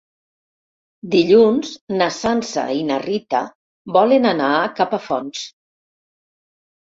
Dilluns na Sança i na Rita volen anar a Capafonts.